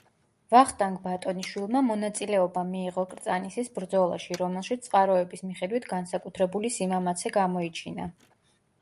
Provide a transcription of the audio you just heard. ვახტანგ ბატონიშვილმა მონაწილეობა მიიღო კრწანისის ბრძოლაში, რომელშიც წყაროების მიხედვით განსაკუთრებული სიმამაცე გამოიჩინა.